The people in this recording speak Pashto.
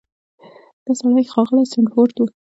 دا سړی ښاغلی سنډفورډ و.